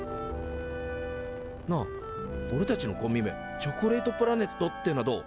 なあおれたちのコンビ名チョコレートプラネットっていうのはどう？